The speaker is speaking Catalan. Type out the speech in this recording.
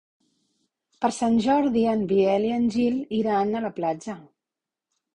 Per Sant Jordi en Biel i en Gil iran a la platja.